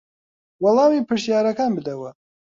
وەڵامی پرسیارەکان بدەوە.